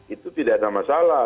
itu tidak ada masalah